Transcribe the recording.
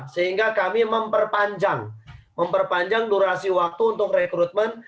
sehingga kami memperpanjang durasi waktu untuk rekrutmen